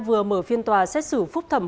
vừa mở phiên tòa xét xử phúc thẩm